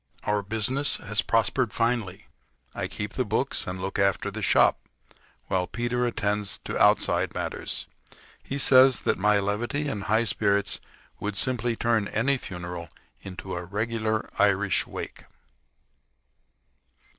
Our business has prospered finely. I keep the books and look after the shop, while Peter attends to outside matters. He says that my levity and high spirits would simply turn any funeral into a regular Irish wake.